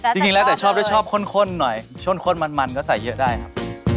จริงแล้วแต่ชอบด้วยชอบข้นหน่อยข้นมันก็ใส่เยอะได้ครับ